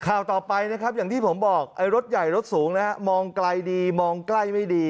ข่าวต่อไปนะครับอย่างที่ผมบอกไอ้รถใหญ่รถสูงนะฮะมองไกลดีมองใกล้ไม่ดี